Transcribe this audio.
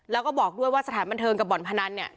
แล้วก็บอกด้วยว่าสถานบันเทิงกับบ่อนพนันเนี่ย